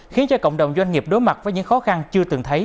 khiến cho cộng đồng doanh nghiệp đối mặt với những khó khăn chưa từng thấy